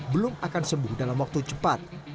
belum akan sembuh dalam waktu cepat